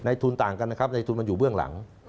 ทุนต่างกันนะครับในทุนมันอยู่เบื้องหลัง